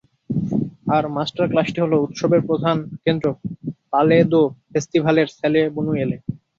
আর মাস্টারক্লাসটি হলো উৎসবের প্রধান কেন্দ্র পালে দো ফেস্তিভালের স্যালে বুনুয়েলে।